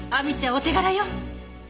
お手柄よ。